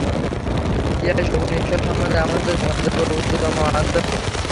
ইহাই সগুণ ঈশ্বর সম্বন্ধে আমাদের ধারণাযোগ্য উচ্চতম আদর্শ।